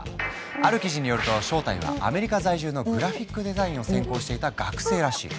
ある記事によると正体はアメリカ在住のグラフィックデザインを専攻していた学生らしい。